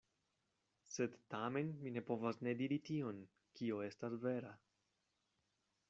Sed tamen mi ne povas ne diri tion, kio estas vera.